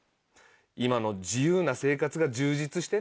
今の自由な生活が充実してんだよ。